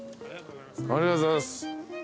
ありがとうございます。